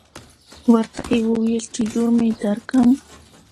ورته يې وويل چې لور مې درکم.